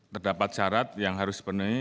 terdapat syarat yang harus dipenuhi